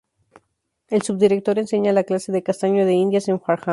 El subdirector enseña la clase de Castaño de Indias en Farnham.